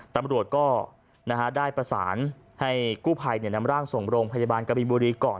ตำรวจก็ได้ประสานให้กู้ภัยนำร่างส่งโรงพยาบาลกบินบุรีก่อน